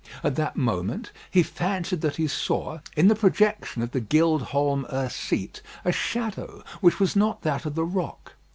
At that moment he fancied that he saw, in the projection of the "Gild Holm 'Ur" seat a shadow, which was not that of the rock.